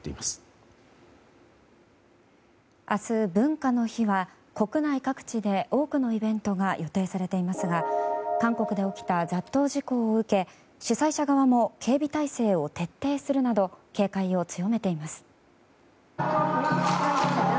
明日、文化の日は国内各地で多くのイベントが予定されていますが韓国で起きた雑踏事故を受け主催者側の警備態勢を徹底するなど警戒を強めています。